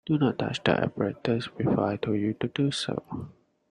Do not touch the apparatus before I told you to do so.